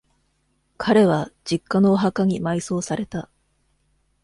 彼は、実家のお墓に埋葬された。